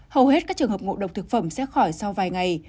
hầu hết các trường hợp ngộ độc thực phẩm sẽ khỏi sau vài ngày